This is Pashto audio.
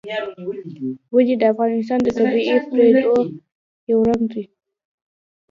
وادي د افغانستان د طبیعي پدیدو یو رنګ دی.